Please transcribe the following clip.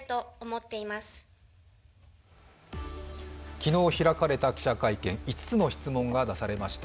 昨日開かれた記者会見、５つの質問が出されました。